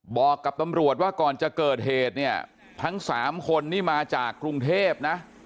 บอกกับตำรวจว่าก่อนจะเกิดเหตุเนี่ยทั้งสามคนนี่มาจากกรุงเทพนะ